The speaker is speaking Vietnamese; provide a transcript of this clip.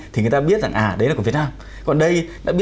thì người ta biết rằng à đấy là của việt nam